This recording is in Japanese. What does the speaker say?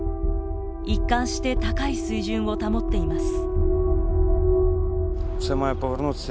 一貫して高い水準を保っています。